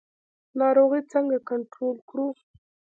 ناروغي څنګه کنټرول کړو؟